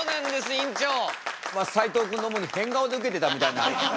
まあ斉藤君の主に変顔でウケてたみたいな。